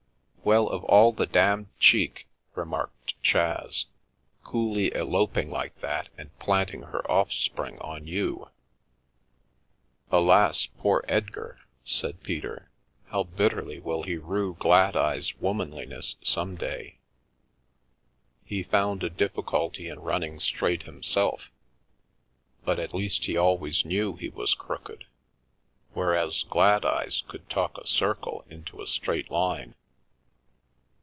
"Well, of all the damned cheek!" remarked Chas, " coolly eloping like that, and planting her offspring on you !" "Alas, poor Edgar!" said Peter, "how bitterly will he rue Gladeyes '' womanliness ' some day ! He found a difficulty in running straight himself, but at least he 3^6 The View from the Attic always knew he was crooked. Whereas Gladeyes could talk a circle into a straight line."